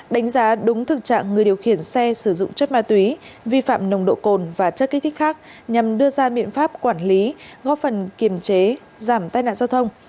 đánh giá đúng thực trạng người điều khiển xe sử dụng chất ma túy vi phạm nồng độ cồn và chất kích thích khác nhằm đưa ra biện pháp quản lý góp phần kiềm chế giảm tai nạn giao thông